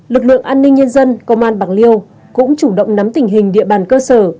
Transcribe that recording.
lực lượng an ninh nhân dân công an bạc liêu cũng chủ động nắm tình hình địa bàn cơ sở